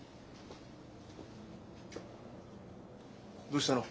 どうしたの？